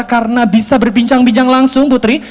karena bisa berbincang bincang langsung putri